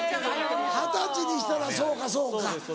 二十歳にしたらそうかそうか。